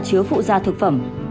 chứa phụ gia thực phẩm